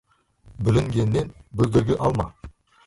Бүлінгеннен бүлдіргі алма.